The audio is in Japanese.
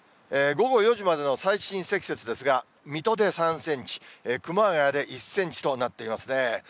午後４時までの最深積雪ですが、水戸で３センチ、熊谷で１センチとなっていますね。